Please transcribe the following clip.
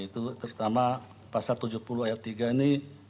terutama pasal tujuh puluh ayat tiga ini